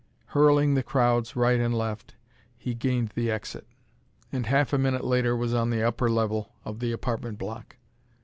Hurling the crowds right and left he gained the exit, and a half minute later was on the upper level of the apartment block.